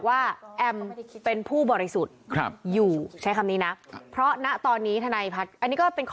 แอมร้อยศพคะข้างในเค้าเรียก